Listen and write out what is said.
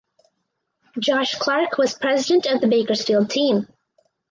Josh Clark was president of the Bakersfield team.